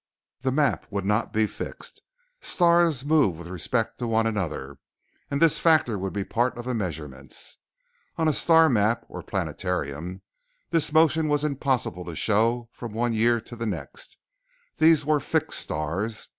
The map would not be fixed. Stars move with respect to one another, and this factor would be part of the measurements. On a star map or planetarium, this motion was impossible to show from one year to the next, these were 'fixed stars.'